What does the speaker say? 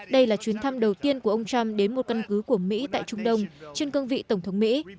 đây là chuyến thăm đầu tiên của ông trump đến một căn cứ của mỹ tại trung đông trên cương vị tổng thống mỹ